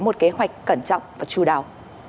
với một kế hoạch cẩn trọng và chú đào